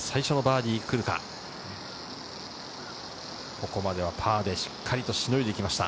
ここまではパーでしっかりしのいできました。